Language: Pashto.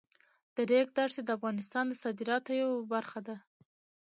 د ریګ دښتې د افغانستان د صادراتو برخه ده.